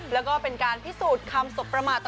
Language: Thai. แล้วก็เป็นการพิสูจน์คำสบประมาท